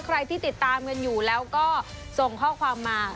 ใครที่ติดตามกันอยู่แล้วก็ส่งข้อความมา